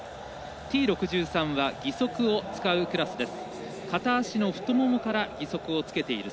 Ｔ６３は義足を使うクラスです。